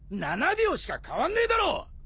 ７秒しか変わんねえだろ！